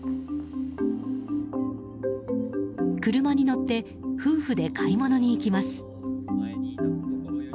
車に乗って夫婦で買い物に行きます。